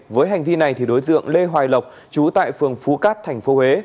với hành vi này thì đối dượng lê hoài lộc chú tại phường phú cát tp huế